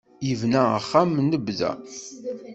Yebna axxam n bda.